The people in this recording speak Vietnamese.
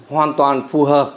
hoàn toàn phù hợp